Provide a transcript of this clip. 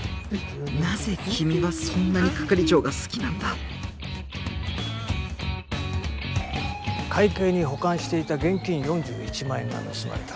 なぜ君はそんなに係長が好きなんだ会計に保管していた現金４１万円が盗まれた。